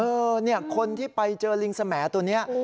คุณผู้ชมเนี่ยที่ไปเจอลิงสมานนี้